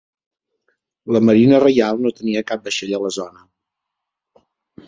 La Marina Reial no tenia cap vaixell a la zona.